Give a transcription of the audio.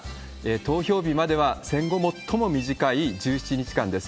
投票日までは、戦後最も短い１７日間です。